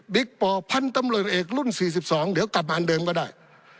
ปพันธุ์ตำรวจเอกรุ่น๔๒เดี๋ยวกลับมาอันเดิมก็ได้